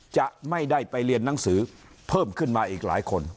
จะไม่ได้ไปเรียนหนังสือเพิ่มขึ้นมาอีกหลายคน